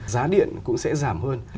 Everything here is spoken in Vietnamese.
giá điện cũng sẽ giảm hơn